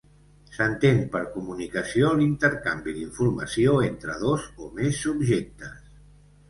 S'entén per comunicació l'intercanvi d'informació entre dos o més subjectes.